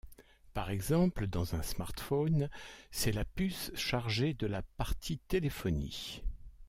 Par exemple, dans un smartphone, c'est la puce chargée de la partie téléphonie.